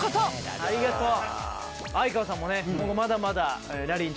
ありがとう！